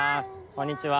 こんにちは。